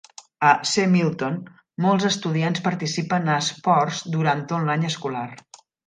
A C. Milton, molts estudiants participen a esports durant tot l'any escolar.